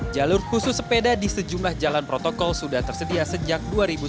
jalur khusus sepeda di sejumlah jalan protokol sudah tersedia sejak dua ribu sembilan belas